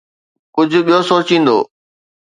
ڪجهه ٻيو سوچيندو